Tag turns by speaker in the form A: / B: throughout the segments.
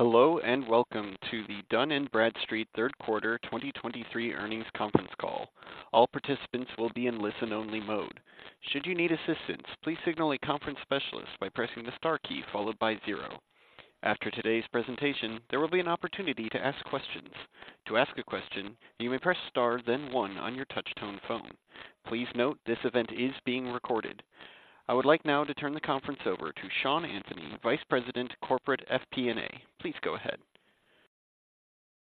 A: Hello, and welcome to the Dun & Bradstreet Third Quarter 2023 Earnings Conference Call. All participants will be in listen-only mode. Should you need assistance, please signal a conference specialist by pressing the star key followed by zero. After today's presentation, there will be an opportunity to ask questions. To ask a question, you may press star, then one on your touch-tone phone. Please note, this event is being recorded. I would like now to turn the conference over to Sean Anthony, Vice President, Corporate FP&A. Please go ahead.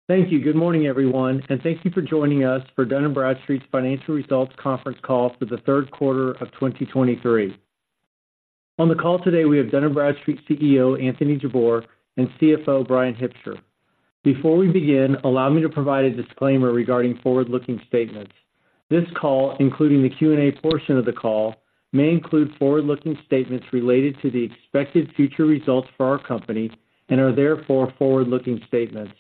B: Thank you. Good morning, everyone, and thank you for joining us for Dun & Bradstreet's Financial Results Conference Call for the third quarter of 2023. On the call today, we have Dun & Bradstreet CEO, Anthony Jabbour, and CFO, Bryan Hipsher. Before we begin, allow me to provide a disclaimer regarding forward-looking statements. This call, including the Q&A portion of the call, may include forward-looking statements related to the expected future results for our company and are therefore forward-looking statements.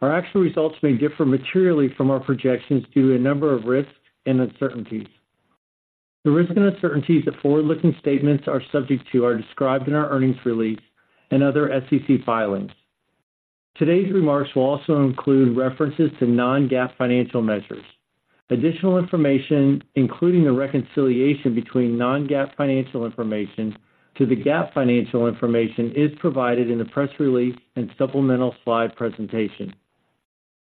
B: Our actual results may differ materially from our projections due to a number of risks and uncertainties. The risks and uncertainties that forward-looking statements are subject to are described in our earnings release and other SEC filings. Today's remarks will also include references to non-GAAP financial measures. Additional information, including a reconciliation between non-GAAP financial information to the GAAP financial information, is provided in the press release and supplemental slide presentation.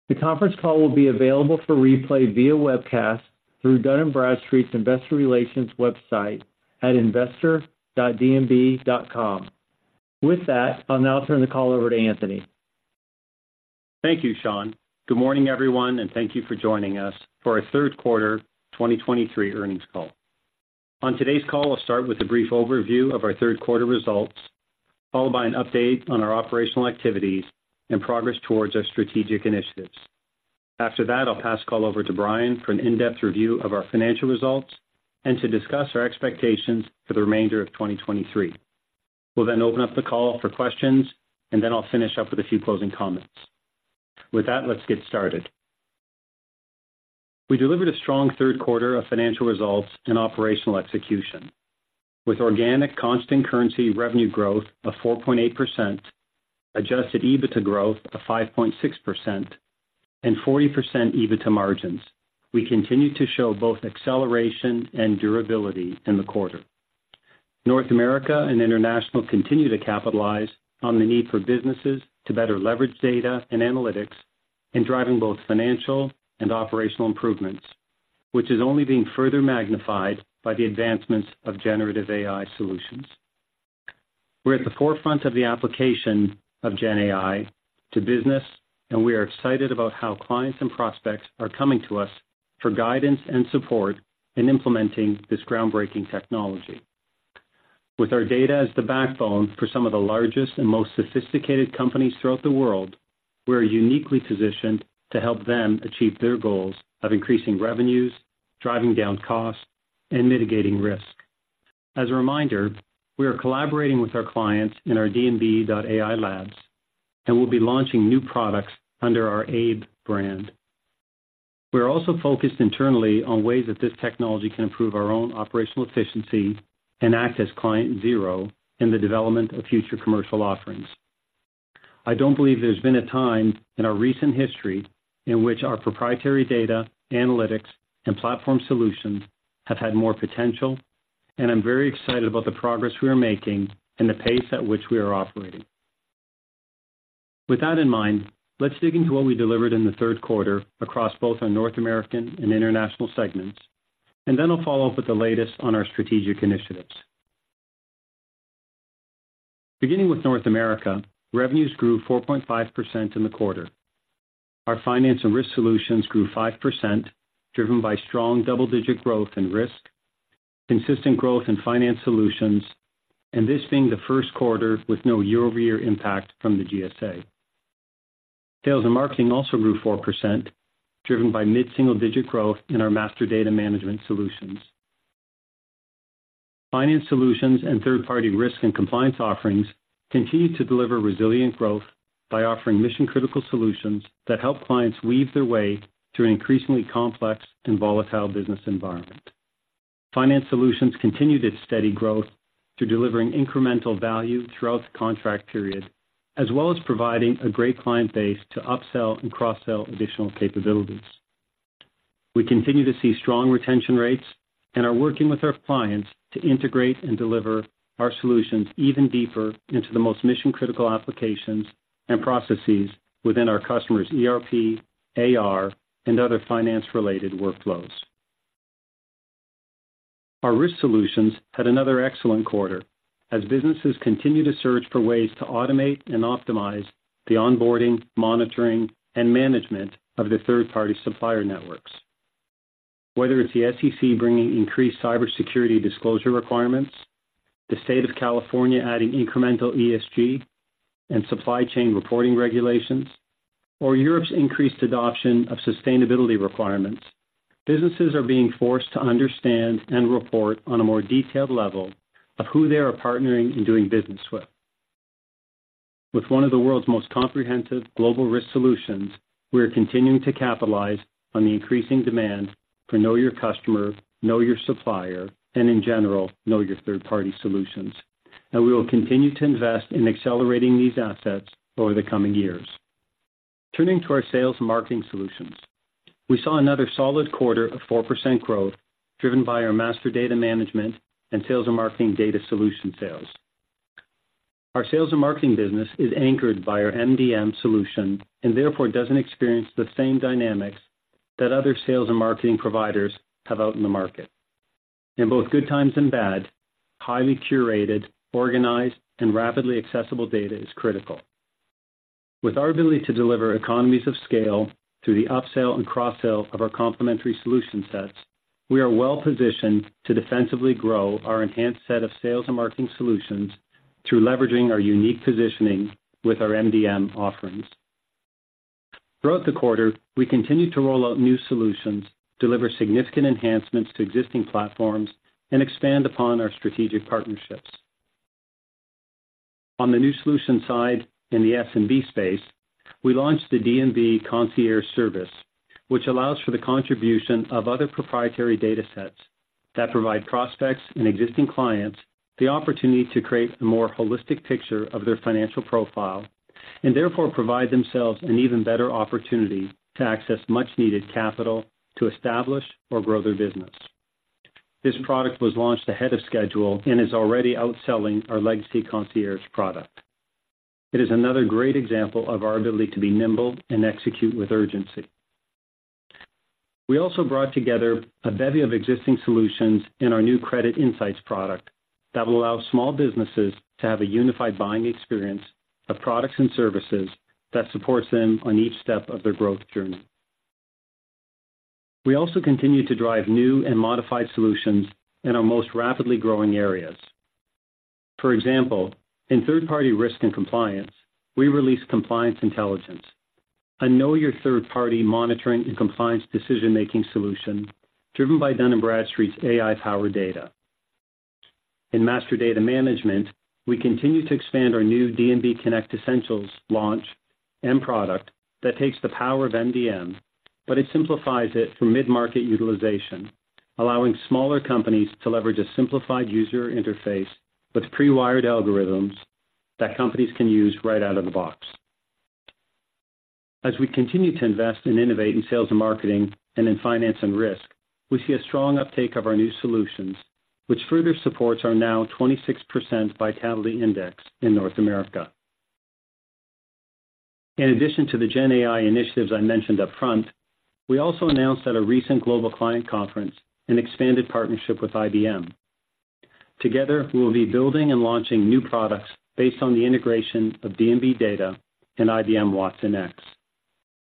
B: The conference call will be available for replay via webcast through Dun & Bradstreet's Investor Relations website at investor.d&b.com. With that, I'll now turn the call over to Anthony.
C: Thank you, Sean. Good morning, everyone, and thank you for joining us for our third quarter 2023 earnings call. On today's call, I'll start with a brief overview of our third quarter results, followed by an update on our operational activities and progress towards our strategic initiatives. After that, I'll pass the call over to Bryan for an in-depth review of our financial results and to discuss our expectations for the remainder of 2023. We'll then open up the call for questions, and then I'll finish up with a few closing comments. With that, let's get started. We delivered a strong third quarter of financial results and operational execution. With organic constant currency revenue growth of 4.8%, Adjusted EBITDA growth of 5.6%, and 40% EBITDA margins, we continued to show both acceleration and durability in the quarter. North America and International continue to capitalize on the need for businesses to better leverage data and analytics in driving both financial and operational improvements, which is only being further magnified by the advancements of generative AI solutions. We're at the forefront of the application of GenAI to business, and we are excited about how clients and prospects are coming to us for guidance and support in implementing this groundbreaking technology. With our data as the backbone for some of the largest and most sophisticated companies throughout the world, we are uniquely positioned to help them achieve their goals of increasing revenues, driving down costs, and mitigating risk. As a reminder, we are collaborating with our clients in our D&B.AI Labs, and we'll be launching new products under our AiBE brand. We are also focused internally on ways that this technology can improve our own operational efficiency and act as client zero in the development of future commercial offerings. I don't believe there's been a time in our recent history in which our proprietary data, analytics, and platform solutions have had more potential, and I'm very excited about the progress we are making and the pace at which we are operating. With that in mind, let's dig into what we delivered in the third quarter across both our North American and International segments, and then I'll follow up with the latest on our strategic initiatives. Beginning with North America, revenues grew 4.5% in the quarter. Our finance and risk solutions grew 5%, driven by strong double-digit growth in risk, consistent growth in finance solutions, and this being the first quarter with no year-over-year impact from the GSA. Sales and Marketing also grew 4%, driven by mid-single-digit growth in our master data management solutions. Finance Solutions and Third-Party Risk and Compliance offerings continued to deliver resilient growth by offering mission-critical solutions that help clients weave their way through an increasingly complex and volatile business environment. Finance Solutions continued its steady growth through delivering incremental value throughout the contract period, as well as providing a great client base to upsell and cross-sell additional capabilities. We continue to see strong retention rates and are working with our clients to integrate and deliver our solutions even deeper into the most mission-critical applications and processes within our customers' ERP, AR, and other finance-related workflows. Our Risk Solutions had another excellent quarter as businesses continue to search for ways to automate and optimize the onboarding, monitoring, and management of their third-party supplier networks. Whether it's the SEC bringing increased cybersecurity disclosure requirements, the state of California adding incremental ESG and supply chain reporting regulations, or Europe's increased adoption of sustainability requirements, businesses are being forced to understand and report on a more detailed level of who they are partnering and doing business with. With one of the world's most comprehensive global risk solutions, we are continuing to capitalize on the increasing demand for know your customer, know your supplier, and in general, know your third-party solutions. We will continue to invest in accelerating these assets over the coming years. Turning to our sales marketing solutions, we saw another solid quarter of 4% growth, driven by our master data management and sales and marketing data solution sales. Our Sales and Marketing business is anchored by our MDM solution and therefore doesn't experience the same dynamics that other sales and marketing providers have out in the market. In both good times and bad, highly curated, organized, and rapidly accessible data is critical. With our ability to deliver economies of scale through the upsell and cross-sell of our complementary solution sets, we are well-positioned to defensively grow our enhanced set of sales and marketing solutions through leveraging our unique positioning with our MDM offerings. Throughout the quarter, we continued to roll out new solutions, deliver significant enhancements to existing platforms, and expand upon our strategic partnerships. On the new solution side, in the SMB space, we launched the D&B Concierge service, which allows for the contribution of other proprietary datasets that provide prospects and existing clients the opportunity to create a more holistic picture of their financial profile, and therefore provide themselves an even better opportunity to access much-needed capital to establish or grow their business. This product was launched ahead of schedule and is already outselling our legacy concierge product. It is another great example of our ability to be nimble and execute with urgency. We also brought together a bevy of existing solutions in our new Credit Insights product that will allow small businesses to have a unified buying experience of products and services that supports them on each step of their growth journey. We also continued to drive new and modified solutions in our most rapidly growing areas. For example, in third-party risk and compliance, we released Compliance Intelligence, a know-your-third-party monitoring and compliance decision-making solution driven by Dun & Bradstreet's AI-powered data. In master data management, we continue to expand our new D&B Connect Essentials launch and product that takes the power of MDM, but it simplifies it for mid-market utilization, allowing smaller companies to leverage a simplified user interface with pre-wired algorithms that companies can use right out of the box. As we continue to invest and innovate in sales and marketing and in finance and risk, we see a strong uptake of our new solutions, which further supports our now 26% Vitality Index in North America. In addition to the GenAI initiatives I mentioned upfront, we also announced at a recent Global Client Conference, an expanded partnership with IBM. Together, we will be building and launching new products based on the integration of D&B data and IBM watsonx.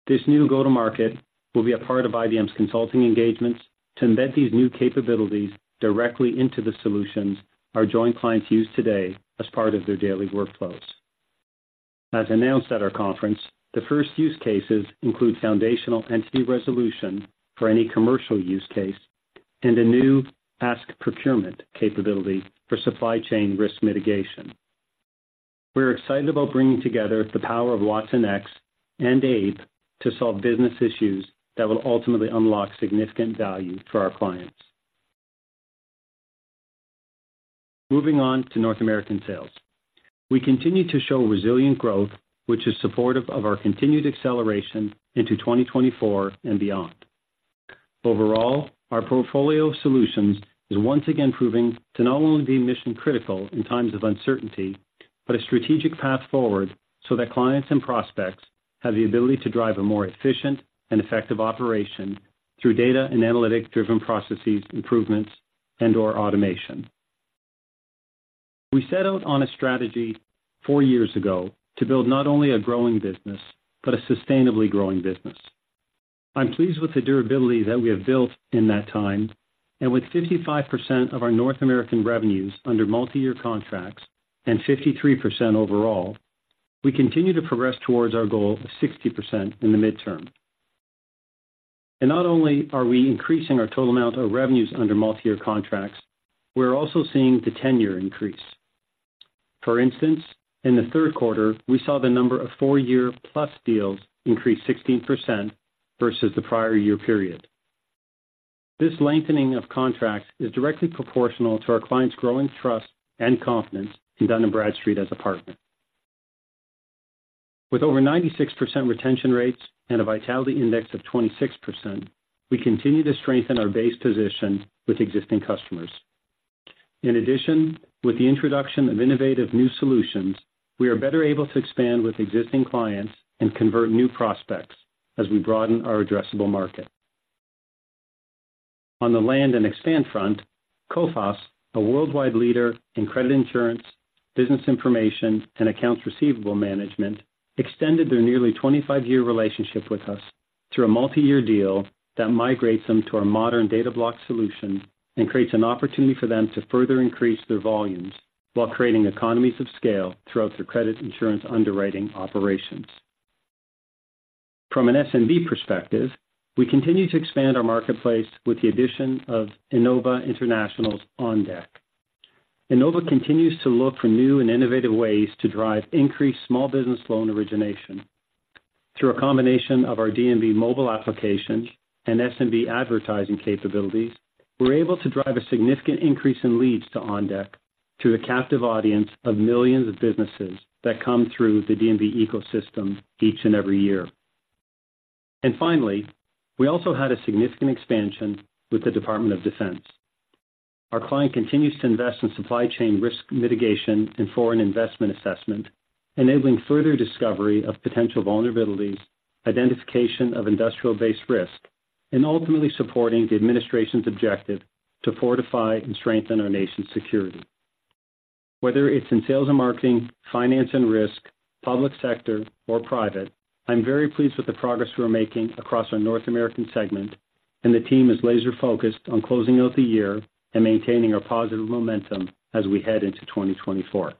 C: This new go-to-market will be a part of IBM's consulting engagements to embed these new capabilities directly into the solutions our joint clients use today as part of their daily workflows. As announced at our conference, the first use cases include foundational entity resolution for any commercial use case and a new Ask Procurement capability for supply chain risk mitigation. We're excited about bringing together the power of watsonx and API to solve business issues that will ultimately unlock significant value for our clients. Moving on to North American sales. We continue to show resilient growth, which is supportive of our continued acceleration into 2024 and beyond. Overall, our portfolio of solutions is once again proving to not only be mission-critical in times of uncertainty, but a strategic path forward so that clients and prospects have the ability to drive a more efficient and effective operation through data and analytic-driven processes, improvements, and/or automation. We set out on a strategy four years ago to build not only a growing business, but a sustainably growing business. I'm pleased with the durability that we have built in that time, and with 55% of our North American revenues under multi-year contracts, and 53% overall, we continue to progress towards our goal of 60% in the midterm. And not only are we increasing our total amount of revenues under multi-year contracts, we're also seeing the tenure increase. For instance, in the third quarter, we saw the number of four-year-plus deals increase 16% versus the prior year period. This lengthening of contracts is directly proportional to our clients' growing trust and confidence in Dun & Bradstreet as a partner. With over 96% retention rates and a Vitality Index of 26%, we continue to strengthen our base position with existing customers. In addition, with the introduction of innovative new solutions, we are better able to expand with existing clients and convert new prospects as we broaden our addressable market. On the land and expand front, Coface, a worldwide leader in credit insurance, business information, and accounts receivable management, extended their nearly 25-year relationship with us through a multi-year deal that migrates them to our modern Data Blocks solution and creates an opportunity for them to further increase their volumes while creating economies of scale throughout their credit insurance underwriting operations. From an SMB perspective, we continue to expand our marketplace with the addition of Enova International's OnDeck. Enova continues to look for new and innovative ways to drive increased small business loan origination. Through a combination of our D&B mobile applications and SMB advertising capabilities, we're able to drive a significant increase in leads to OnDeck through a captive audience of millions of businesses that come through the D&B ecosystem each and every year. And finally, we also had a significant expansion with the Department of Defense. Our client continues to invest in supply chain risk mitigation and foreign investment assessment, enabling further discovery of potential vulnerabilities, identification of industrial-based risk, and ultimately supporting the administration's objective to fortify and strengthen our nation's security. Whether it's in sales and marketing, finance and risk, public sector, or private, I'm very pleased with the progress we're making across our North American segment, and the team is laser-focused on closing out the year and maintaining our positive momentum as we head into 2024.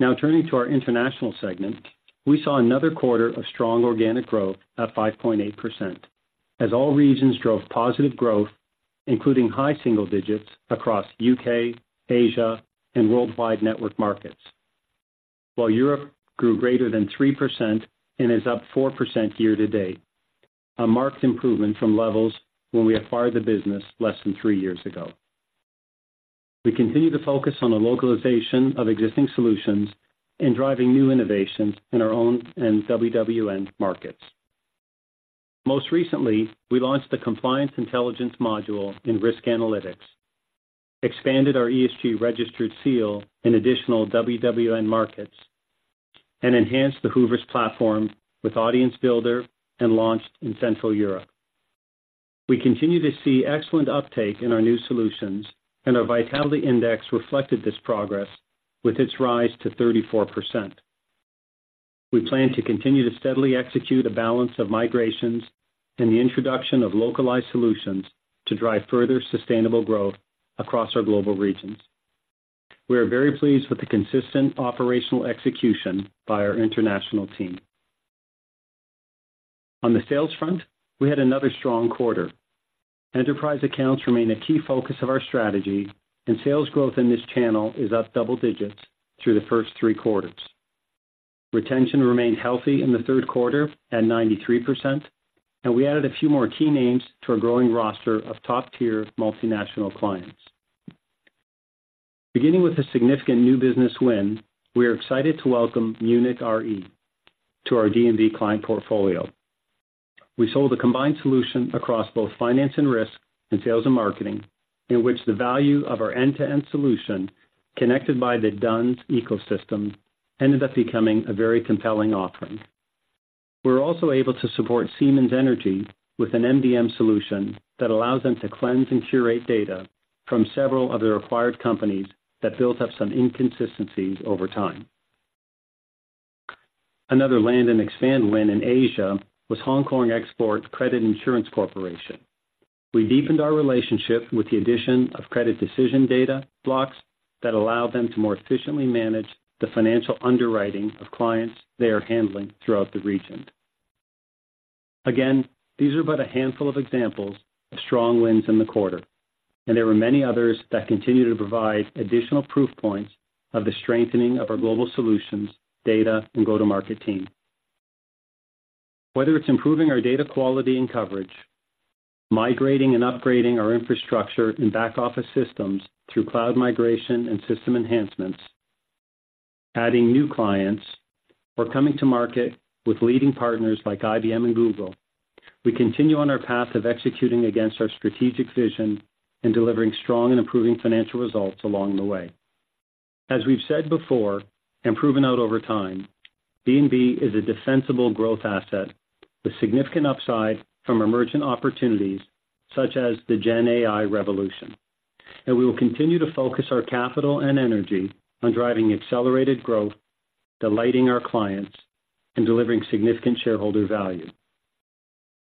C: Now, turning to our International segment, we saw another quarter of strong organic growth at 5.8%, as all regions drove positive growth, including high single digits across U.K., Asia, and worldwide network markets. While Europe grew greater than 3% and is up 4% year to date, a marked improvement from levels when we acquired the business less than three years ago. We continue to focus on the localization of existing solutions and driving new innovations in our own and WWN markets. Most recently, we launched the Compliance Intelligence module in Risk Analytics, expanded our ESG Registered Seal in additional WWN markets, and enhanced the Hoovers platform with Audience Builder and launched in Central Europe. We continue to see excellent uptake in our new solutions, and our Vitality Index reflected this progress with its rise to 34%. We plan to continue to steadily execute a balance of migrations and the introduction of localized solutions to drive further sustainable growth across our global regions. We are very pleased with the consistent operational execution by our International team. On the sales front, we had another strong quarter. Enterprise accounts remain a key focus of our strategy, and sales growth in this channel is up double digits through the first three quarters. Retention remained healthy in the third quarter at 93%, and we added a few more key names to our growing roster of top-tier multinational clients. Beginning with a significant new business win, we are excited to welcome Munich Re to our D&B client portfolio. We sold a combined solution across both finance and risk, and sales and marketing, in which the value of our end-to-end solution, connected by the D&B's ecosystem, ended up becoming a very compelling offering. We're also able to support Siemens Energy with an MDM solution that allows them to cleanse and curate data from several of their acquired companies that built up some inconsistencies over time. Another land and expand win in Asia was Hong Kong Export Credit Insurance Corporation. We deepened our relationship with the addition of credit decision data blocks that allow them to more efficiently manage the financial underwriting of clients they are handling throughout the region. Again, these are but a handful of examples of strong wins in the quarter, and there were many others that continue to provide additional proof points of the strengthening of our global solutions, data, and go-to-market team. Whether it's improving our data quality and coverage, migrating and upgrading our infrastructure and back-office systems through cloud migration and system enhancements, adding new clients, or coming to market with leading partners like IBM and Google, we continue on our path of executing against our strategic vision and delivering strong and improving financial results along the way. As we've said before and proven out over time, D&B is a defensible growth asset with significant upside from emergent opportunities such as the GenAI revolution. We will continue to focus our capital and energy on driving accelerated growth, delighting our clients, and delivering significant shareholder value.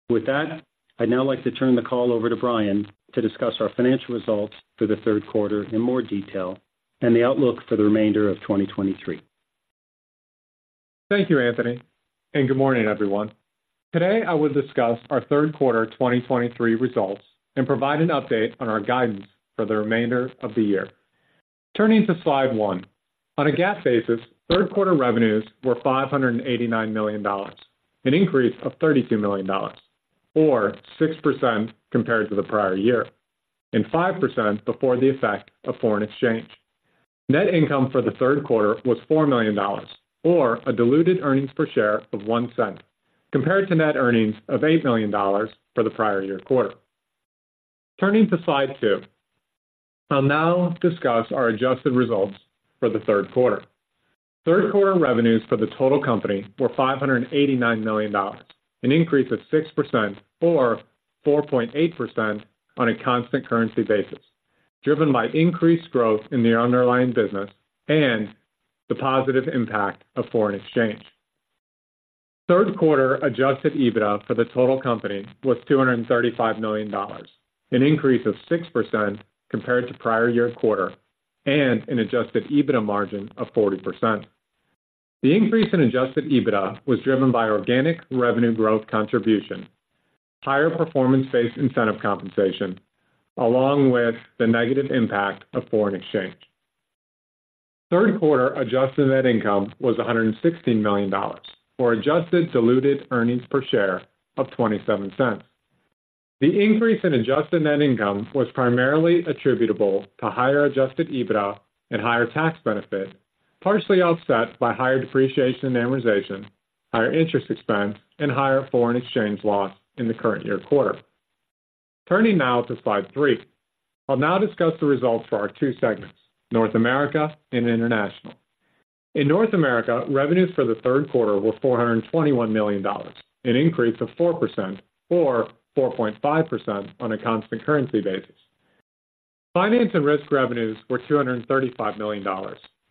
C: With that, I'd now like to turn the call over to Bryan to discuss our financial results for the third quarter in more detail and the outlook for the remainder of 2023.
D: Thank you, Anthony, and good morning, everyone. Today, I will discuss our third quarter 2023 results and provide an update on our guidance for the remainder of the year. Turning to slide one. On a GAAP basis, third quarter revenues were $589 million, an increase of $32 million, or 6% compared to the prior year, and 5% before the effect of foreign exchange. Net income for the third quarter was $4 million or a diluted earnings per share of $0.01, compared to net earnings of $8 million for the prior year quarter. Turning to slide two. I'll now discuss our adjusted results for the third quarter. Third quarter revenues for the total company were $589 million, an increase of 6% or 4.8% on a constant currency basis, driven by increased growth in the underlying business and the positive impact of foreign exchange. Third quarter Adjusted EBITDA for the total company was $235 million, an increase of 6% compared to prior-year quarter, and an Adjusted EBITDA margin of 40%. The increase in Adjusted EBITDA was driven by organic revenue growth contribution, higher performance-based incentive compensation, along with the negative impact of foreign exchange. Third quarter adjusted net income was $116 million, or adjusted diluted earnings per share of $0.27. The increase in adjusted net income was primarily attributable to higher Adjusted EBITDA and higher tax benefit, partially offset by higher depreciation and amortization, higher interest expense, and higher foreign exchange loss in the current year quarter. Turning now to slide three. I'll now discuss the results for our two segments, North America and International. In North America, revenues for the third quarter were $421 million, an increase of 4% or 4.5% on a constant currency basis. Finance and risk revenues were $235 million,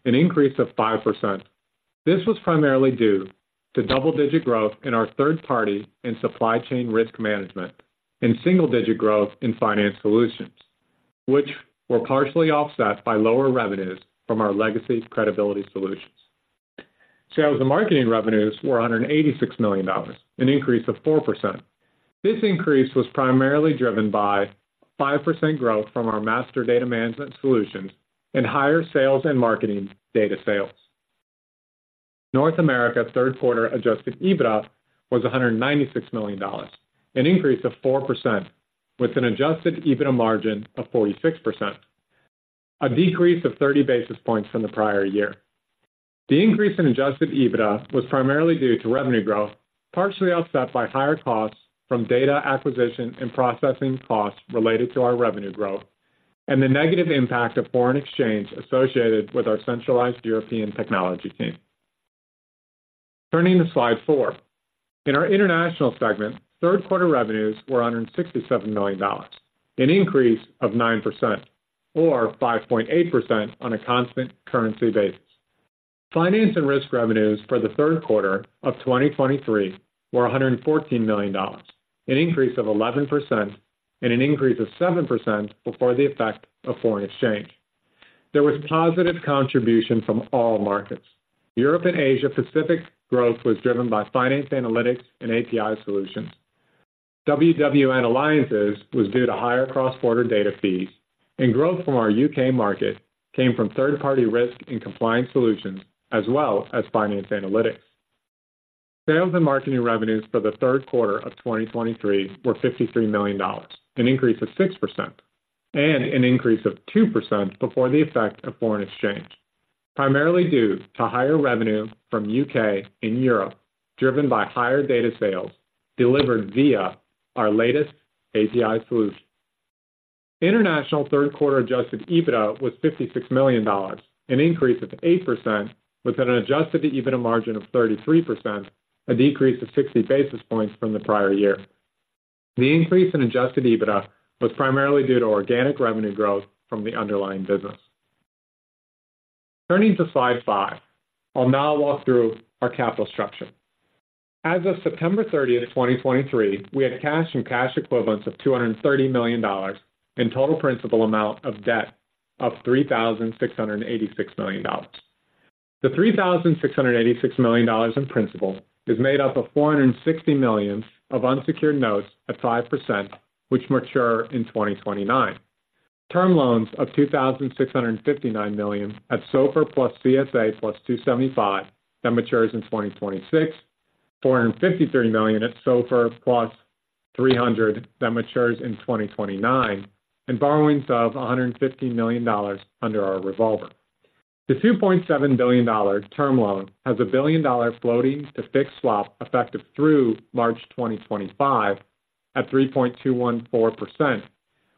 D: an increase of 5%. This was primarily due to double-digit growth in our third-party and Supply Chain Risk Management, and single-digit growth in finance solutions, which were partially offset by lower revenues from our legacy credibility solutions. Sales and Marketing revenues were $186 million, an increase of 4%. This increase was primarily driven by 5% growth from our master data management solutions and higher sales and marketing data sales. North America third quarter Adjusted EBITDA was $196 million, an increase of 4%, with an Adjusted EBITDA margin of 46%, a decrease of 30 basis points from the prior year. The increase in Adjusted EBITDA was primarily due to revenue growth, partially offset by higher costs from data acquisition and processing costs related to our revenue growth, and the negative impact of foreign exchange associated with our centralized European technology team. Turning to slide four. In our International segment, third quarter revenues were $167 million, an increase of 9% or 5.8% on a constant currency basis. Finance and risk revenues for the third quarter of 2023 were $114 million, an increase of 11% and an increase of 7% before the effect of foreign exchange. There was positive contribution from all markets. Europe and Asia Pacific's growth was driven by finance, analytics, and API solutions. WWN and alliances was due to higher cross-border data fees, and growth from our U.K. market came from third-party risk and compliance solutions, as well as finance analytics. Sales and marketing revenues for the third quarter of 2023 were $53 million, an increase of 6% and an increase of 2% before the effect of foreign exchange, primarily due to higher revenue from U.K. and Europe, driven by higher data sales delivered via our latest API solution. International third quarter Adjusted EBITDA was $56 million, an increase of 8%, with an Adjusted EBITDA margin of 33%, a decrease of 60 basis points from the prior year. The increase in Adjusted EBITDA was primarily due to organic revenue growth from the underlying business. Turning to slide 5, I'll now walk through our capital structure. As of September thirtieth, 2023, we had cash and cash equivalents of $230 million, and total principal amount of debt of $3,686 million. The $3,686 million in principal is made up of $460 million of unsecured notes at 5%, which mature in 2029. Term loans of $2,659 million at SOFR + CSA + 275, that matures in 2026, $453 million at SOFR + 300 that matures in 2029, and borrowings of $150 million under our revolver. The $2.7 billion term loan has a $1 billion floating-to-fixed swap effective through March 2025 at 3.214%,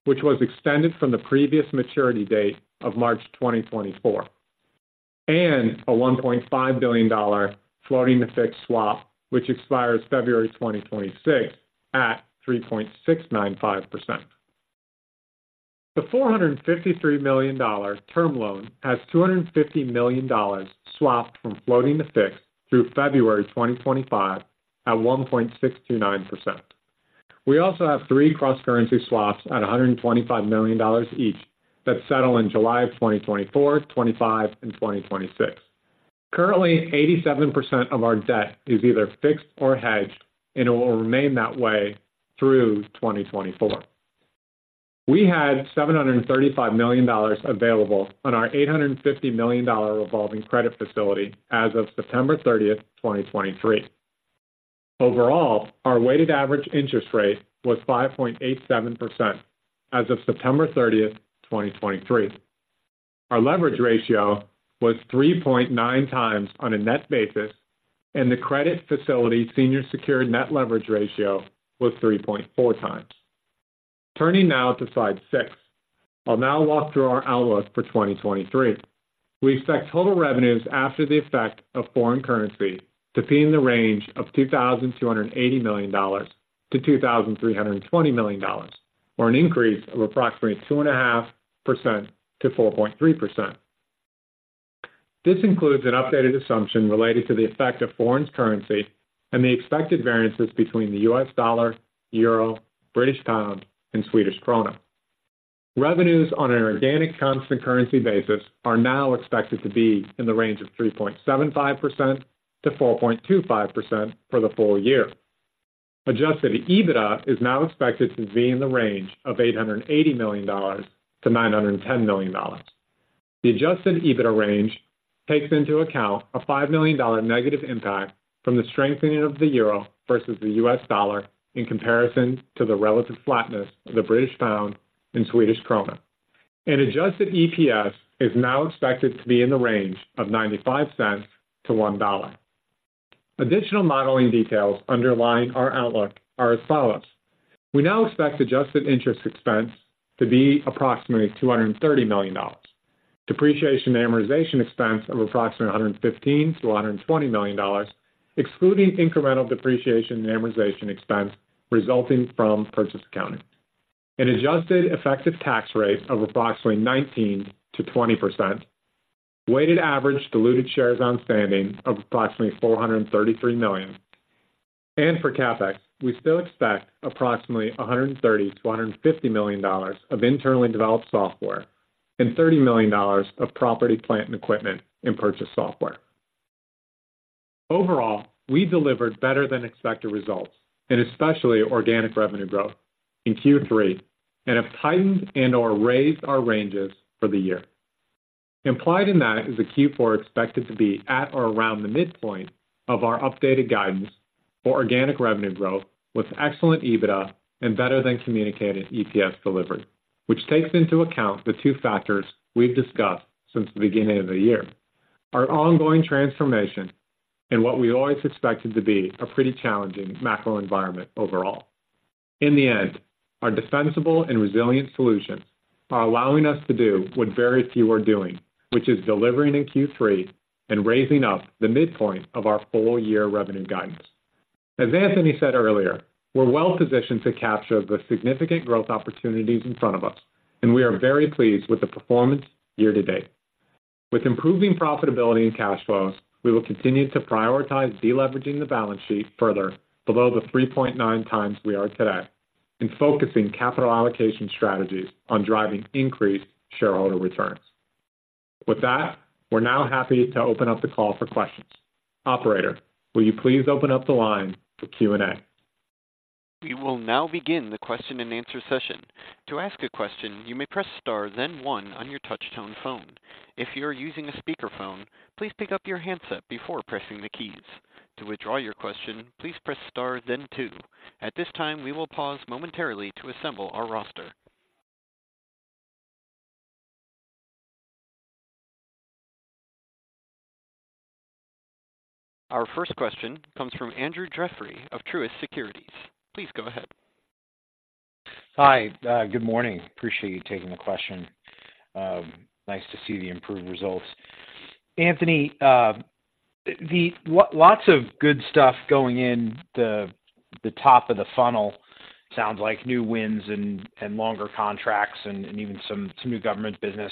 D: which was extended from the previous maturity date of March 2024, and a $1.5 billion floating-to-fixed swap, which expires February 2026 at 3.695%. The $453 million term loan has $250 million swapped from floating to fixed through February 2025 at 1.629%. We also have three cross-currency swaps at $125 million each that settle in July of 2024, 2025, and 2026. Currently, 87% of our debt is either fixed or hedged, and it will remain that way through 2024. We had $735 million available on our $850 million revolving credit facility as of September 30, 2023. Overall, our weighted average interest rate was 5.87% as of September 30, 2023. Our leverage ratio was 3.9x on a net basis, and the credit facility senior secured net leverage ratio was 3.4x. Turning now to slide six. I'll now walk through our outlook for 2023. We expect total revenues after the effect of foreign currency to be in the range of $2,280 million-$2,320 million, or an increase of approximately 2.5%-4.3%. This includes an updated assumption related to the effect of foreign currency and the expected variances between the U.S. dollar, euro, British pound, and Swedish krona. Revenues on an organic constant currency basis are now expected to be in the range of 3.75%-4.25% for the full year. Adjusted EBITDA is now expected to be in the range of $880 million-$910 million. The Adjusted EBITDA range takes into account a $5 million negative impact from the strengthening of the euro versus the U.S. dollar in comparison to the relative flatness of the British pound and Swedish krona. Adjusted EPS is now expected to be in the range of $0.95-$1.00. Additional modeling details underlying our outlook are as follows: We now expect adjusted interest expense to be approximately $230 million, depreciation and amortization expense of approximately $115 million-$120 million, excluding incremental depreciation and amortization expense resulting from purchase accounting. An adjusted effective tax rate of approximately 19%-20%, weighted average diluted shares outstanding of approximately 433 million. For CapEx, we still expect approximately $130 million-$150 million of internally developed software and $30 million of property, plant, and equipment in purchase software. Overall, we delivered better-than-expected results and especially organic revenue growth in Q3 and have tightened and/or raised our ranges for the year. Implied in that is the Q4 expected to be at or around the midpoint of our updated guidance for organic revenue growth, with excellent EBITDA and better than communicated EPS delivery, which takes into account the two factors we've discussed since the beginning of the year, our ongoing transformation and what we always expected to be a pretty challenging macro environment overall. In the end, our defensible and resilient solutions are allowing us to do what very few are doing, which is delivering in Q3 and raising up the midpoint of our full-year revenue guidance. As Anthony said earlier, we're well positioned to capture the significant growth opportunities in front of us, and we are very pleased with the performance year to date. With improving profitability and cash flows, we will continue to prioritize deleveraging the balance sheet further below the 3.9x we are today and focusing capital allocation strategies on driving increased shareholder returns. With that, we're now happy to open up the call for questions. Operator, will you please open up the line for Q&A?
A: We will now begin the question-and-answer session. To ask a question, you may press star, then one on your touch-tone phone. If you are using a speakerphone, please pick up your handset before pressing the keys. To withdraw your question, please press star then two. At this time, we will pause momentarily to assemble our roster. Our first question comes from Andrew Jeffery of Truist Securities. Please go ahead.
E: Hi, good morning. Appreciate you taking the question. Nice to see the improved results. Anthony, lots of good stuff going in the top of the funnel. Sounds like new wins and longer contracts and even some new government business.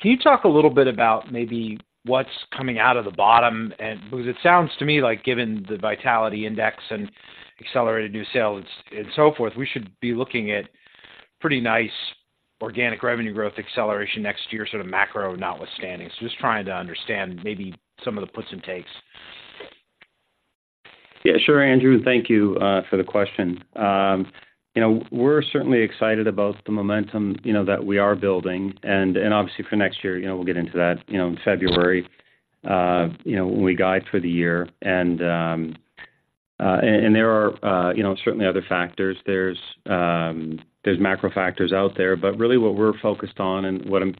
E: Can you talk a little bit about maybe what's coming out of the bottom? And because it sounds to me like given the Vitality Index and accelerated new sales and so forth, we should be looking at pretty nice organic revenue growth acceleration next year, sort of macro notwithstanding. So just trying to understand maybe some of the puts and takes.
D: Yeah, sure, Andrew, thank you for the question. You know, we're certainly excited about the momentum, you know, that we are building. And obviously for next year, you know, we'll get into that, you know, in February, you know, when we guide for the year. And there are, you know, certainly other factors. There's macro factors out there. But really what we're focused on and what I'm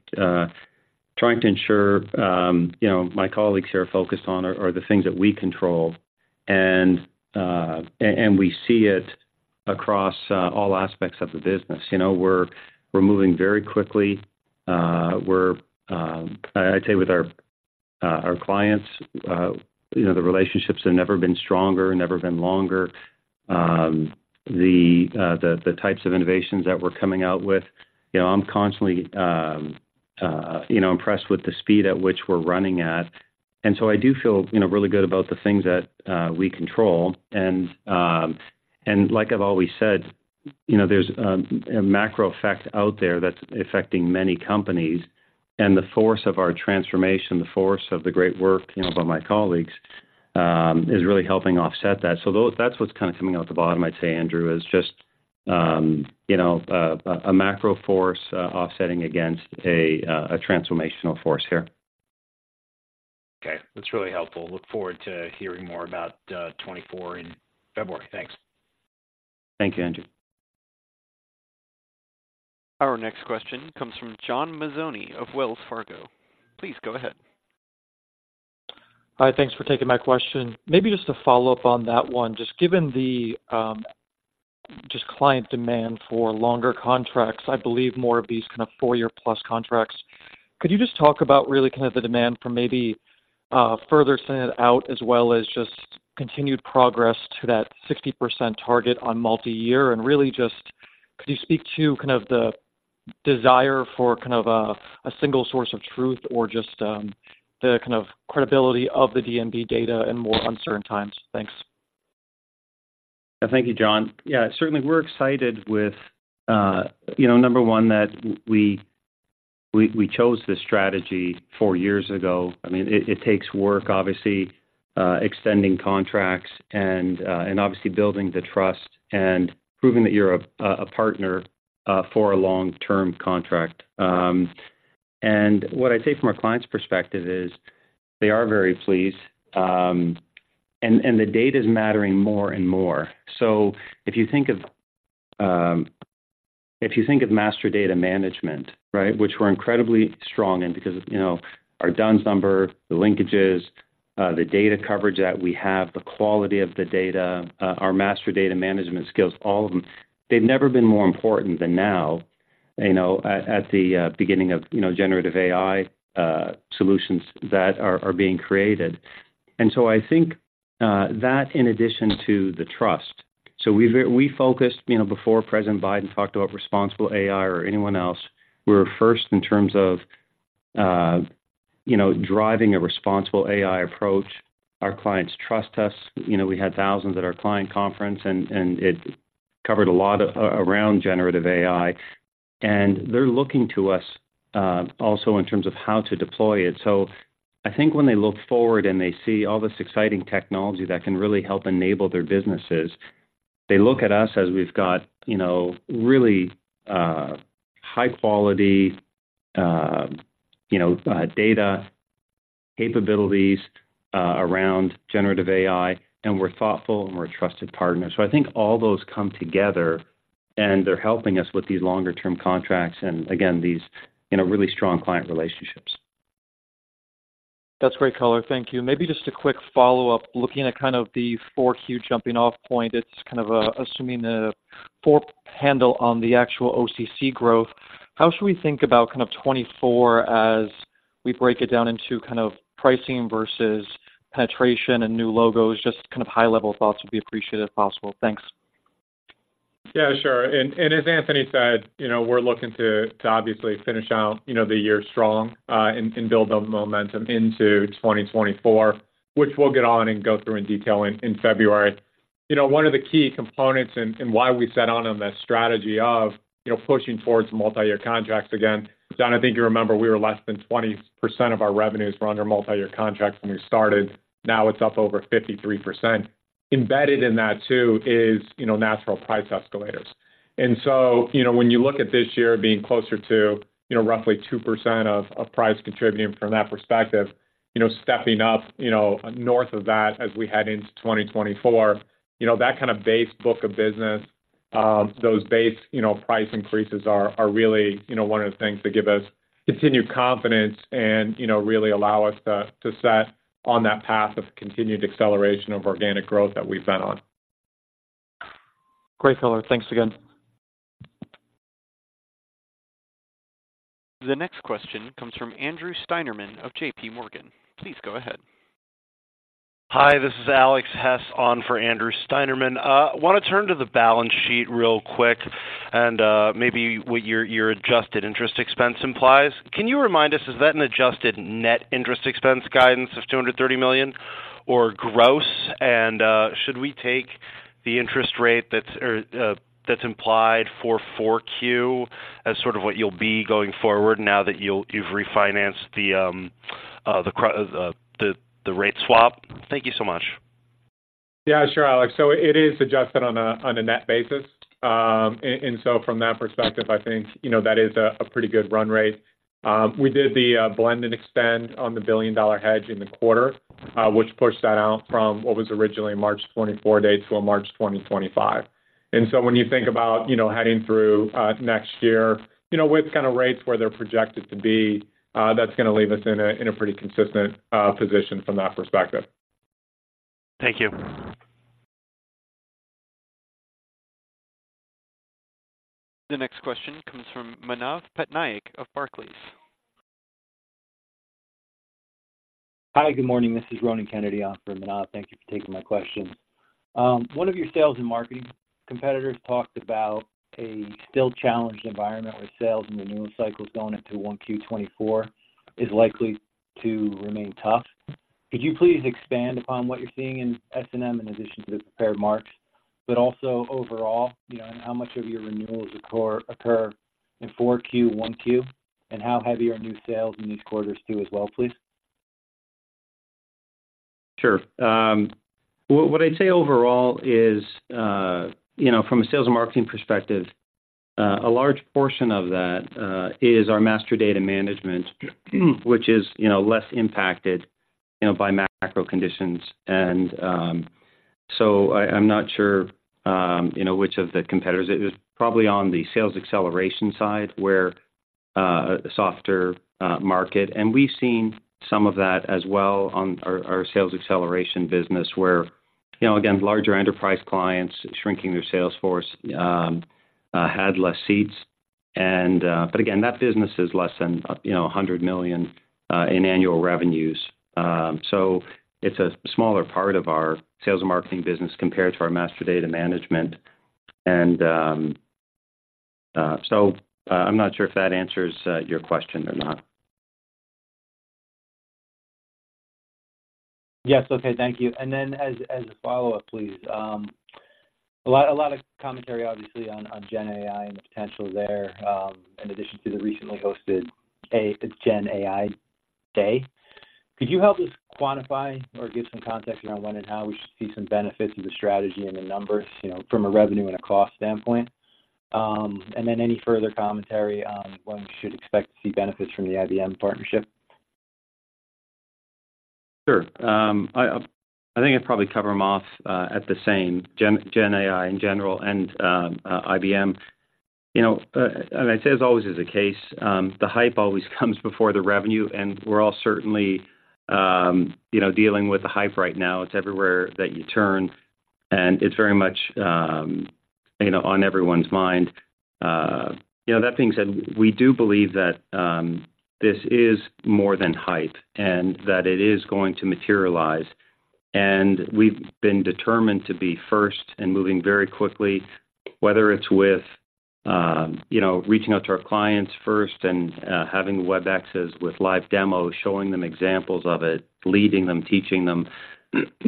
D: trying to ensure, you know, my colleagues here are focused on are the things that we control, and we see it across all aspects of the business. You know, we're moving very quickly. I'd say with our clients, you know, the relationships have never been stronger, never been longer. The types of innovations that we're coming out with, you know, I'm constantly, you know, impressed with the speed at which we're running at. And so I do feel, you know, really good about the things that we control. And like I've always said, you know, there's a macro effect out there that's affecting many companies. And the force of our transformation, the force of the great work, you know, by my colleagues, is really helping offset that. So that's what's kind of coming out the bottom, I'd say, Andrew, is just, you know, a macro force offsetting against a transformational force here.
E: Okay, that's really helpful. Look forward to hearing more about 2024 in February. Thanks.
D: Thank you, Andrew.
A: Our next question comes from John Mazzoni of Wells Fargo. Please go ahead.
F: Hi, thanks for taking my question. Maybe just to follow up on that one, just given the, just client demand for longer contracts, I believe more of these kind of four-year-plus contracts, could you just talk about really kind of the demand for maybe, further sending it out, as well as just continued progress to that 60% target on multi-year? And really just could you speak to kind of the desire for kind of a, a single source of truth or just, the kind of credibility of the D&B data in more uncertain times? Thanks.
C: Yeah. Thank you, John. Yeah, certainly we're excited with, you know, number one, that we chose this strategy four years ago. I mean, it takes work, obviously, extending contracts and, and obviously building the trust and proving that you're a partner for a long-term contract. And what I'd say from our clients' perspective is they are very pleased, and the data is mattering more and more. So if you think of master data management, right, which we're incredibly strong in, because, you know, our D-U-N-S number, the linkages, the data coverage that we have, the quality of the data, our master data management skills, all of them, they've never been more important than now, you know, at the beginning of generative AI solutions that are being created. And so I think that in addition to the trust. So we focused, you know, before President Biden talked about responsible AI or anyone else, we were first in terms of, you know, driving a responsible AI approach. Our clients trust us. You know, we had thousands at our client conference, and it covered a lot around generative AI, and they're looking to us also in terms of how to deploy it. So I think when they look forward, and they see all this exciting technology that can really help enable their businesses, they look at us as we've got, you know, really high quality, you know, data capabilities around generative AI, and we're thoughtful and we're a trusted partner. So I think all those come together, and they're helping us with these longer term contracts, and again, these, you know, really strong client relationships.
F: That's great color. Thank you. Maybe just a quick follow-up, looking at kind of the Q4 jumping off point. It's kind of, assuming the fourth handle on the actual OCC growth. How should we think about kind of 2024 as we break it down into kind of pricing versus penetration and new logos? Just kind of high-level thoughts would be appreciated, if possible. Thanks.
D: Yeah, sure. And as Anthony said, you know, we're looking to obviously finish out, you know, the year strong, and build the momentum into 2024, which we'll get on and go through in detail in February. You know, one of the key components and why we set on the strategy of, you know, pushing towards multi-year contracts again. John, I think you remember we were less than 20% of our revenues were under multi-year contracts when we started. Now it's up over 53%. Embedded in that, too, is, you know, natural price escalators. So, you know, when you look at this year being closer to, you know, roughly 2% of price contributing from that perspective, you know, stepping up, you know, north of that as we head into 2024, you know, that kind of base book of business, those base, you know, price increases are really, you know, one of the things that give us continued confidence and, you know, really allow us to set on that path of continued acceleration of organic growth that we've been on.
F: Great color. Thanks again.
A: The next question comes from Andrew Steinerman of JPMorgan. Please go ahead.
G: Hi, this is Alex Hess, on for Andrew Steinerman. I want to turn to the balance sheet real quick and maybe what your adjusted interest expense implies. Can you remind us, is that an adjusted net interest expense guidance of $230 million or gross? And should we take the interest rate that's implied for 4Q as sort of what you'll be going forward now that you've refinanced the rate swap? Thank you so much.
D: Yeah, sure, Alex. So it is adjusted on a, on a net basis. And, and so from that perspective, I think, you know, that is a, a pretty good run rate. We did the, blend and expand on the billion-dollar hedge in the quarter, which pushed that out from what was originally March 2024 date to a March 2025. And so when you think about, you know, heading through, next year, you know, with kind of rates where they're projected to be, that's gonna leave us in a, in a pretty consistent, position from that perspective.
G: Thank you.
A: The next question comes from Manav Patnaik of Barclays.
H: Hi, good morning. This is Ronan Kennedy on for Manav. Thank you for taking my question. One of your sales and marketing competitors talked about a still challenged environment with sales and renewal cycles going into 1Q 2024 is likely to remain tough. Could you please expand upon what you're seeing in S&M, in addition to the prepared remarks, but also overall, you know, and how much of your renewals occur, occur in 4Q, 1Q, and how heavy are new sales in these quarters too, as well, please?
C: Sure. Well, what I'd say overall is, you know, from a sales and marketing perspective, a large portion of that is our master data management, which is, you know, less impacted, you know, by macro conditions. And, so I, I'm not sure, you know, which of the competitors... It was probably on the sales acceleration side where softer market. And we've seen some of that as well on our sales acceleration business, where, you know, again, larger enterprise clients shrinking their sales force had less seats. And, but again, that business is less than, you know, $100 million in annual revenues. So it's a smaller part of our sales and marketing business compared to our master data management. And, so I'm not sure if that answers your question or not.
H: Yes. Okay, thank you. And then as a follow-up, please, a lot of commentary, obviously, on GenAI and the potential there, in addition to the recently hosted a GenAI Day. Could you help us quantify or give some context around when and how we should see some benefits of the strategy and the numbers, you know, from a revenue and a cost standpoint? And then any further commentary on when we should expect to see benefits from the IBM partnership.
C: Sure. I think I'd probably cover them off at the same, GenAI in general and IBM. You know, and I say, as always is the case, the hype always comes before the revenue, and we're all certainly, you know, dealing with the hype right now. It's everywhere that you turn, and it's very much, you know, on everyone's mind. You know, that being said, we do believe that this is more than hype and that it is going to materialize. And we've been determined to be first and moving very quickly, whether it's with, you know, reaching out to our clients first and having WebExes with live demos, showing them examples of it, leading them, teaching them.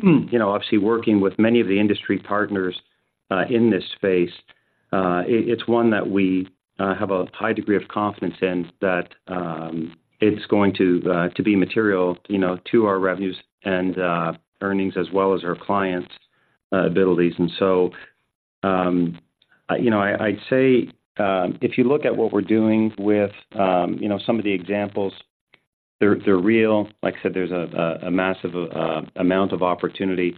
C: You know, obviously working with many of the industry partners in this space, it's one that we have a high degree of confidence in that it's going to be material, you know, to our revenues and earnings, as well as our clients' abilities. And so, you know, I'd say if you look at what we're doing with you know, some of the examples, they're real. Like I said, there's a massive amount of opportunity,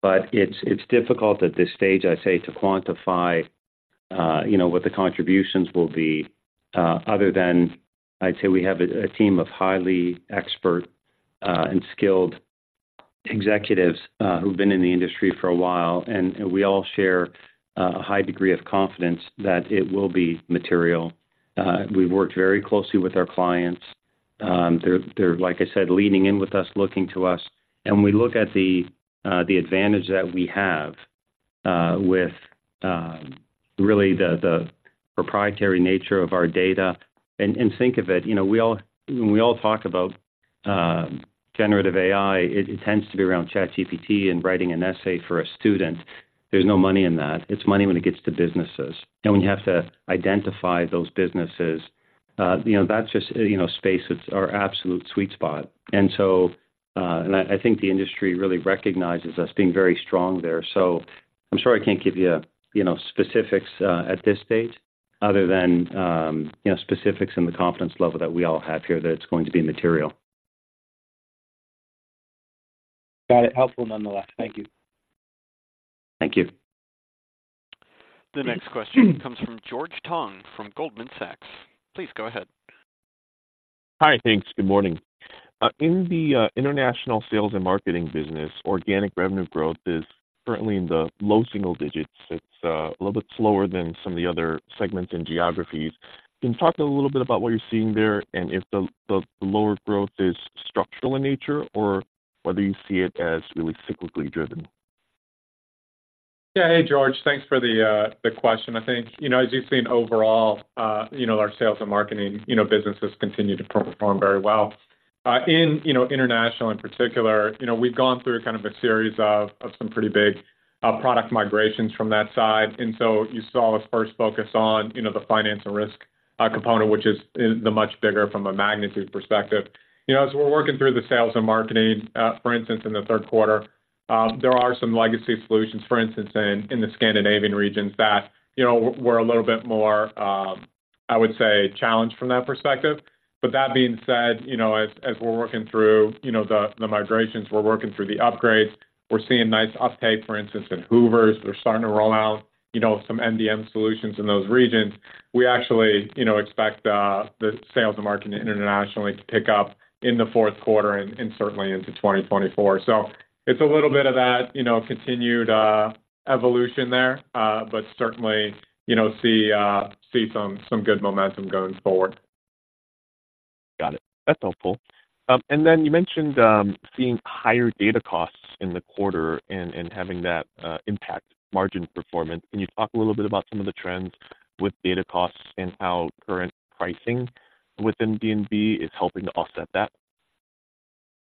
C: but it's difficult at this stage, I'd say, to quantify, you know, what the contributions will be, other than I'd say we have a team of highly expert and skilled executives, who've been in the industry for a while, and we all share a high degree of confidence that it will be material. We've worked very closely with our clients. They're, like I said, leaning in with us, looking to us, and we look at the advantage that we have with really the proprietary nature of our data. And think of it, you know, we all, when we all talk about generative AI, it tends to be around ChatGPT and writing an essay for a student. There's no money in that. It's money when it gets to businesses, and we have to identify those businesses. You know, that's just you know space that's our absolute sweet spot. And so, and I think the industry really recognizes us being very strong there. So I'm sorry, I can't give you, you know, specifics at this stage other than, you know, specifics in the confidence level that we all have here, that it's going to be material.
H: Got it. Helpful nonetheless. Thank you.
C: Thank you.
A: The next question comes from George Tong, from Goldman Sachs. Please go ahead.
I: Hi. Thanks. Good morning. In the International Sales and Marketing business, organic revenue growth is currently in the low single digits. It's a little bit slower than some of the other segments and geographies. Can you talk a little bit about what you're seeing there, and if the lower growth is structural in nature, or whether you see it as really cyclically driven?
D: Yeah. Hey, George. Thanks for the question. I think, you know, as you've seen overall, you know, our sales and marketing, you know, businesses continue to perform very well. In, you know, International in particular, you know, we've gone through kind of a series of, of some pretty big product migrations from that side. And so you saw us first focus on, you know, the finance and risk component, which is in the much bigger from a magnitude perspective. You know, as we're working through the sales and marketing for instance, in the third quarter, there are some legacy solutions, for instance, in the Scandinavian regions that, you know, were a little bit more, I would say challenged from that perspective. But that being said, you know, as we're working through, you know, the migrations, we're working through the upgrades, we're seeing nice uptake. For instance, in Hoover's, they're starting to roll out, you know, some MDM solutions in those regions. We actually, you know, expect the sales and marketing internationally to pick up in the fourth quarter and certainly into 2024. So it's a little bit of that, you know, continued evolution there, but certainly, you know, see some good momentum going forward.
I: Got it. That's helpful. And then you mentioned seeing higher data costs in the quarter and, and having that impact margin performance. Can you talk a little bit about some of the trends with data costs and how current pricing within D&B is helping to offset that?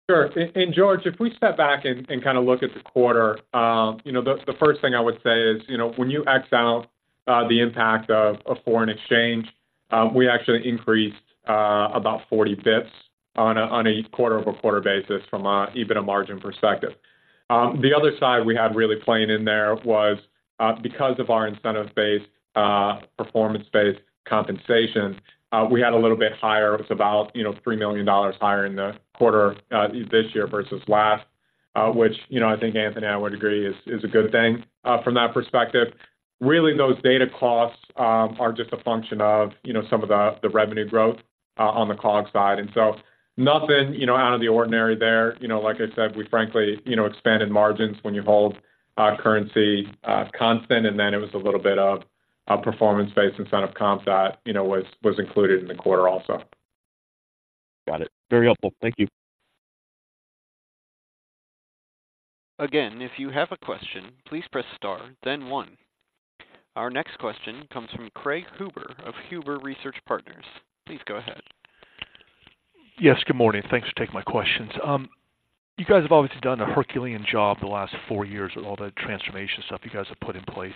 D: Sure. George, if we step back and kind of look at the quarter, you know, the first thing I would say is, you know, when you x out the impact of foreign exchange, we actually increased about 40 bits on a quarter-over-quarter basis from even a margin perspective. The other side we had really playing in there was because of our incentive-based performance-based compensation, we had a little bit higher. It's about, you know, $3 million higher in the quarter, this year versus last, which, you know, I think Anthony, I would agree, is a good thing from that perspective. Really, those data costs are just a function of, you know, some of the revenue growth on the cog side. And so nothing, you know, out of the ordinary there. You know, like I said, we frankly, you know, expanded margins when you hold currency constant, and then it was a little bit of performance-based incentive comp that, you know, was included in the quarter also.
I: Got it. Very helpful. Thank you.
A: Again, if you have a question, please press Star, then one. Our next question comes from Craig Huber of Huber Research Partners. Please go ahead.
J: Yes, good morning. Thanks for taking my questions. You guys have obviously done a Herculean job the last four years with all the transformation stuff you guys have put in place.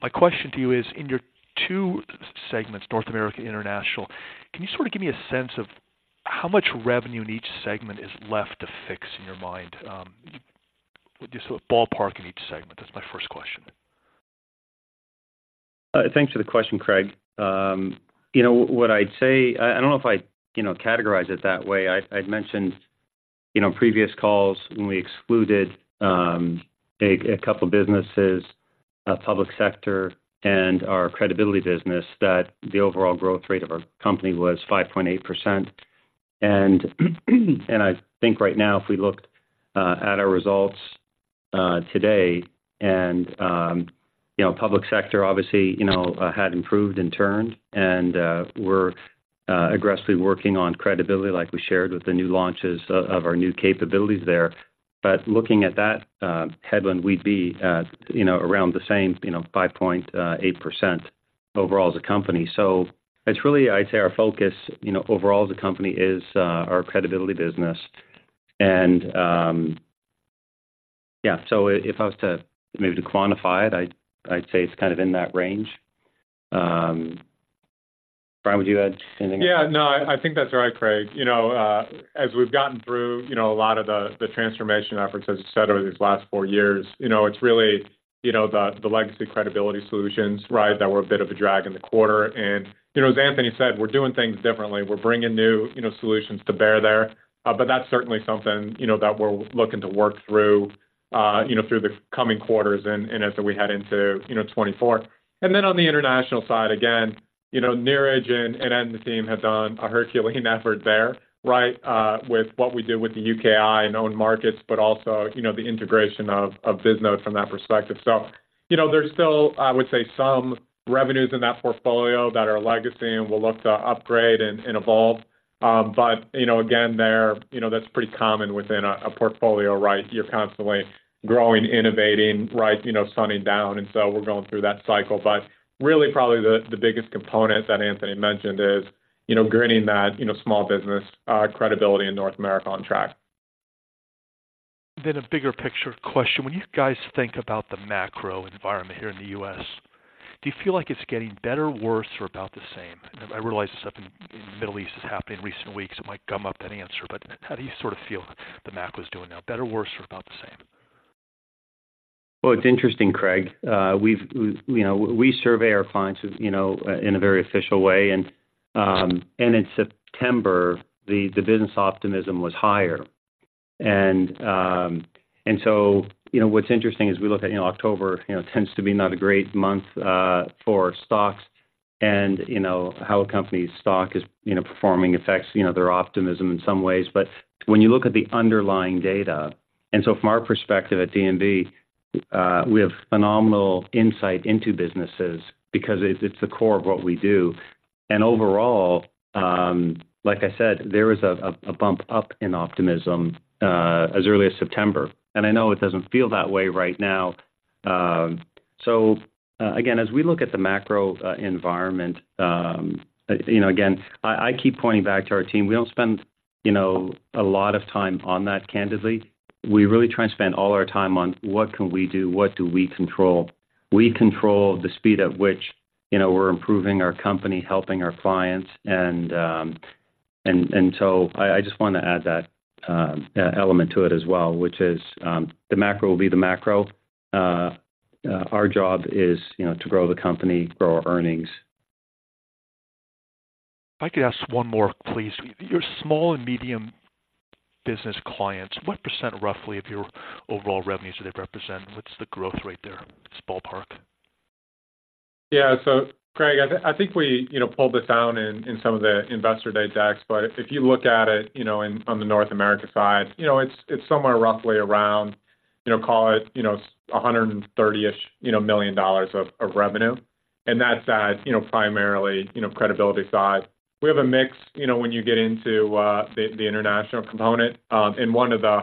J: My question to you is, in your two segments, North America, International, can you sort of give me a sense of how much revenue in each segment is left to fix in your mind? Just sort of ballpark in each segment. That's my first question.
C: Thanks for the question, Craig. You know, what I'd say, I don't know if I'd, you know, categorize it that way. I'd mentioned, you know, previous calls when we excluded a couple of businesses, Public Sector and our Credibility business, that the overall growth rate of our company was 5.8%. And I think right now, if we looked at our results today, and you know, Public Sector obviously, you know, had improved and turned and we're aggressively working on Credibility like we shared with the new launches of our new capabilities there. But looking at that headline, we'd be at, you know, around the same, you know, 5.8% overall as a company. So it's really I'd say our focus, you know, overall as a company is our Credibility business. And, yeah, so if I was to maybe quantify it, I'd say it's kind of in that range. Bryan, would you add anything?
D: Yeah, no, I think that's right, Craig. You know, as we've gotten through, you know, a lot of the, the transformation efforts, as you said, over these last four years, you know, it's really, you know, the, the legacy Credibility Solutions, right, that were a bit of a drag in the quarter. And, you know, as Anthony said, we're doing things differently. We're bringing new, you know, solutions to bear there. But that's certainly something, you know, that we're looking to work through, you know, through the coming quarters and, and as we head into, you know, 2024. And then on the International side, again, you know, Neeraj and the team have done a Herculean effort there, right, with what we did with the UKI and own markets, but also, you know, the integration of, of Bisnode from that perspective. So, you know, there's still, I would say, some revenues in that portfolio that are legacy and we'll look to upgrade and evolve. But, you know, again, they're... You know, that's pretty common within a portfolio, right? You're constantly growing, innovating, right, you know, sunsetting, and so we're going through that cycle. But really probably the biggest component that Anthony mentioned is, you know, getting that, you know, small business credibility in North America on track.
J: Then a bigger picture question: When you guys think about the macro environment here in the U.S., do you feel like it's getting better, worse, or about the same? And I realize the stuff in the Middle East has happened in recent weeks, it might gum up any answer, but how do you sort of feel the macro is doing now? Better, worse, or about the same?
C: Well, it's interesting, Craig. We've... You know, we survey our clients, you know, in a very official way, and in September, the business optimism was higher. And so, you know, what's interesting is we look at, you know, October, you know, tends to be not a great month for stocks. And, you know, how a company's stock is, you know, performing affects, you know, their optimism in some ways. But when you look at the underlying data, and so from our perspective at D&B, we have phenomenal insight into businesses because it's the core of what we do. And overall, like I said, there is a bump up in optimism as early as September, and I know it doesn't feel that way right now. So, again, as we look at the macro environment, you know, again, I keep pointing back to our team. We don't spend, you know, a lot of time on that, candidly. We really try and spend all our time on what can we do? What do we control? We control the speed at which, you know, we're improving our company, helping our clients, and so I just want to add that element to it as well, which is, the macro will be the macro. Our job is, you know, to grow the company, grow our earnings.
J: If I could ask one more, please. Your small and medium business clients, what %, roughly, of your overall revenues do they represent? What's the growth rate there, just ballpark?
D: Yeah. So, Craig, I think we pulled this down in some of the investor day decks, but if you look at it, you know, in on the North America side, you know, it's somewhere roughly around, you know, call it $130-ish million of revenue, and that's, you know, primarily, you know, Credibility side. We have a mix, you know, when you get into the International component. And one of the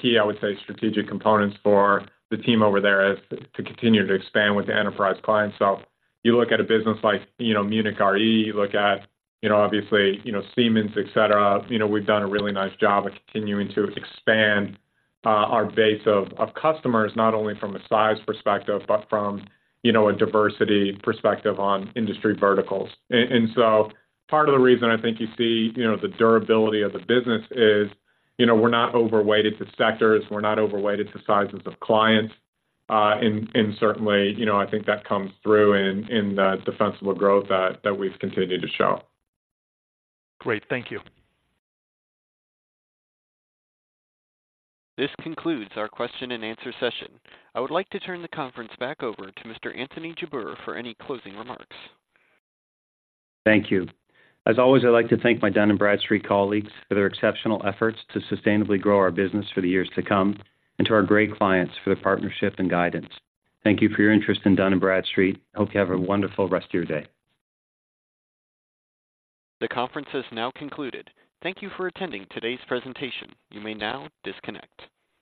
D: key, I would say, strategic components for the team over there is to continue to expand with the enterprise clients. So if you look at a business like, you know, Munich Re, you look at, you know, obviously, you know, Siemens, et cetera, you know, we've done a really nice job of continuing to expand our base of customers, not only from a size perspective, but from, you know, a diversity perspective on industry verticals. And so part of the reason I think you see, you know, the durability of the business is, you know, we're not overweighted to sectors, we're not overweighted to sizes of clients. And certainly, you know, I think that comes through in the defensible growth that we've continued to show.
J: Great. Thank you.
A: This concludes our question-and-answer session. I would like to turn the conference back over to Mr. Anthony Jabbour for any closing remarks.
C: Thank you. As always, I'd like to thank my Dun & Bradstreet colleagues for their exceptional efforts to sustainably grow our business for the years to come and to our great clients for their partnership and guidance. Thank you for your interest in Dun & Bradstreet. I hope you have a wonderful rest of your day.
A: The conference is now concluded. Thank you for attending today's presentation. You may now disconnect.